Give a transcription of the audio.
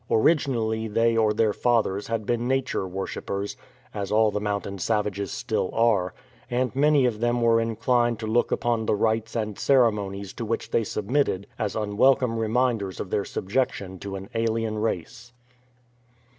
Originally they or their fathers had been nature worshippers, as all the mountain savages still are, and many of them were in clined to look upon the rites and ceremonies to which they submitted as unwelcome reminders of their subjection to an alien race.